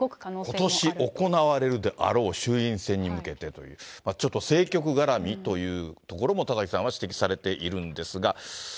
ことし行われるであろう衆院選に向けてという、ちょっと政局絡みというところも田崎さんは指摘されているんですが。